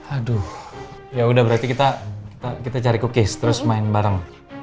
aduh ya udah berarti kita cari kukis terus main bareng yaudah ayo oke